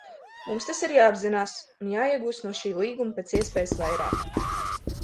Mums tas ir jāapzinās un jāiegūst no šī līguma pēc iespējas vairāk.